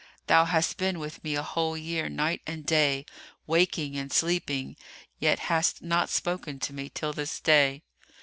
Thou hast been with me a whole year, night and day, waking and sleeping, yet hast not spoken to me till this day."